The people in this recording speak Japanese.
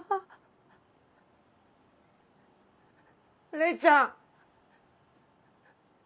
麗ちゃん！